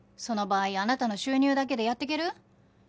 その場合あなたの収入だけでやっていける？